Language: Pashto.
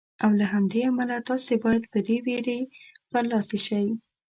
او له همدې امله تاسې باید په دې وېرې برلاسي شئ.